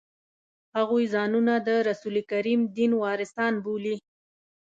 هغوی ځانونه د رسول کریم دین وارثان بولي.